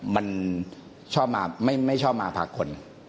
มันชอบมาไม่ชอบมาพักคน